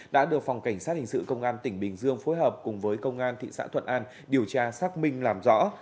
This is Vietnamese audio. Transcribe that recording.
đã được phòng cảnh sát hình sự công an tỉnh bình dương phối hợp cùng với công an thị xã thuận an điều tra xác minh làm rõ